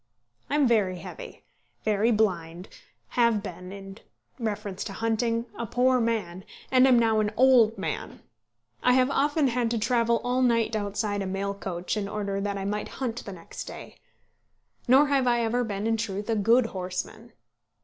I am very heavy, very blind, have been in reference to hunting a poor man, and am now an old man. I have often had to travel all night outside a mail coach, in order that I might hunt the next day. Nor have I ever been in truth a good horseman.